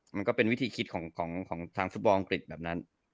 มันก็เป็นวิธีคิดของทางฟุตบอลอังกฤษแบบนั้น